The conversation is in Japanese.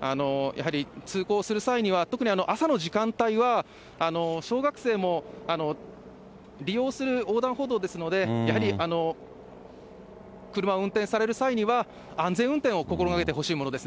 やはり通行する際には、特に朝の時間帯は、小学生も利用する横断歩道ですので、やはり車を運転される際には、安全運転を心がけてほしいものですよね。